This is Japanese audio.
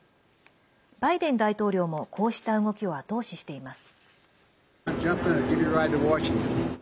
バイデン大統領もこうした動きを後押ししています。